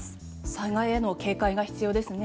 災害への警戒が必要ですね。